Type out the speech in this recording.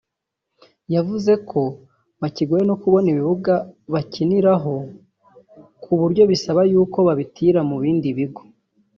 yavuze ko bakigowe no kubona ibibuga bakiniraho ku buryo bibasaba y’uko babitira mu bindi bigo